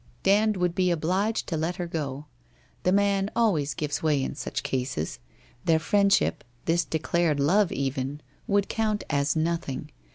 Dand would be obliged to let her go. The man always gives way in such cases. Their friendship — his declared love even — would count as nothing.